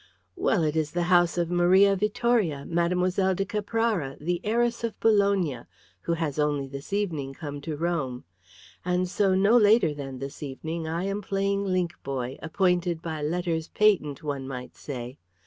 "Well, it is the house of Maria Vittoria, Mademoiselle de Caprara, the heiress of Bologna, who has only this evening come to Rome. And so no later than this evening I am playing link boy, appointed by letters patent, one might say.